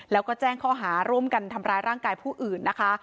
แล้วก็แจ้งข้อหาร่วมกันทำร้ายร่างกายผู้อื่นนะคะ